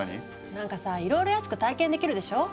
なんかさいろいろ安く体験できるでしょ？